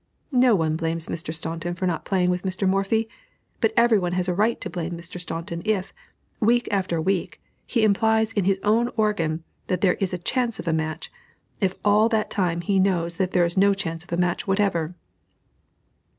No one blames Mr. Staunton for not playing with Mr. Morphy; but every one has a right to blame Mr. Staunton if, week after week, he implies in his own organ that there is a chance of a match, if all that time he knows that there is no chance of a match whatever.